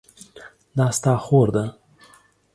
دا ستا خور ده؟